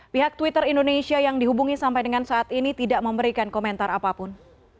pihak twitter indonesia yang dihubungi sampai dengan saat ini tidak memberikan komentar apapun